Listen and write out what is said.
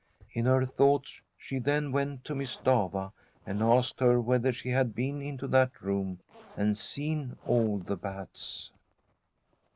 In her thoughts she then went to Miss Stafva and asked her whether she had been into that room and seen all the bats.